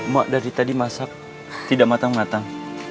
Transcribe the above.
mak dari tadi masak tidak matang matang